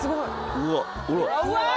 うわ！